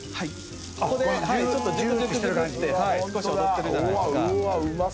ここでジュクジュクジュクって少し踊ってるじゃないですか。